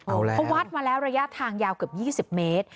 เพราะวัดมาแล้วระยะทางยาวเกือบ๒๐เมตร